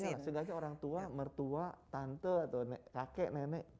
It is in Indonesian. sehingga aja orang tua mertua tante kakek nenek